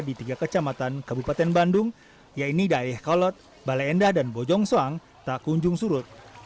di tiga kecamatan kabupaten bandung yaitu dayakolot baleenda dan bojong soang tidak kunjung surut